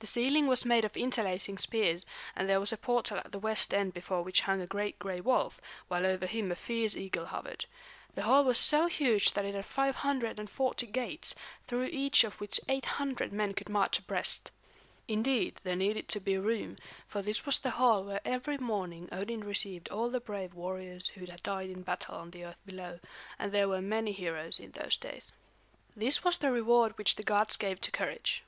The ceiling was made of interlacing spears, and there was a portal at the west end before which hung a great gray wolf, while over him a fierce eagle hovered. The hall was so huge that it had 540 gates, through each of which 800 men could march abreast. Indeed, there needed to be room, for this was the hall where every morning Odin received all the brave warriors who had died in battle on the earth below; and there were many heroes in those days. This was the reward which the gods gave to courage.